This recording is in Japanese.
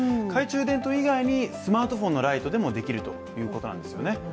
懐中電灯以外に、スマートフォンのライトでもできるということなんですね。